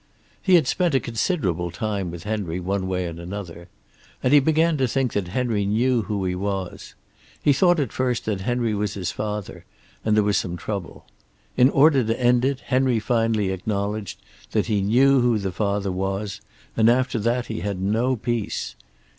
"He had spent considerable time with Henry, one way and another, and he began to think that Henry knew who he was. He thought at first that Henry was his father, and there was some trouble. In order to end it Henry finally acknowledged that he knew who the father was, and after that he had no peace.